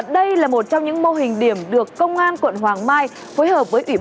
đây là một trong những mô hình điểm được công an quận hoàng mai phối hợp với